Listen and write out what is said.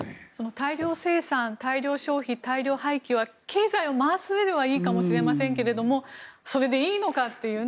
大量生産、大量消費大量廃棄は経済を回すうえではいいかもしれませんがそれでいいのかっていうね。